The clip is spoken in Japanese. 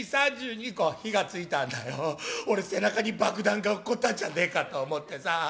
俺背中に爆弾が落っこったんじゃねえかと思ってさあ。